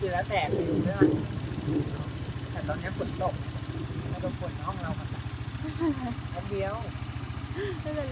แล้วแต่อะไร